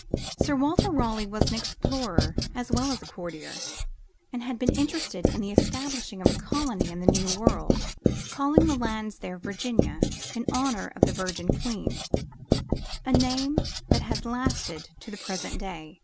Sir Walter Raleigh was an explorer as well as a courtier, and had been interested in the establishing of a colony in the New World, calling the lands there "Virginia" in honor of the virgin Queen a name that has lasted to the present day.